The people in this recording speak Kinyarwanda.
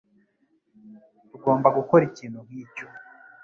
Tugomba gukora ikintu nkicyo